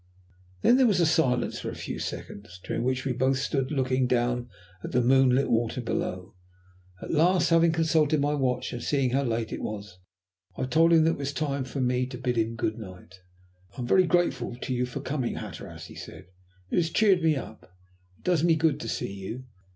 Then there was a silence for a few seconds, during which we both stood looking down at the moonlit water below. At last, having consulted my watch and seeing how late it was, I told him that it was time for me to bid him good night. "I am very grateful to you for coming, Hatteras," he said. "It has cheered me up. It does me good to see you.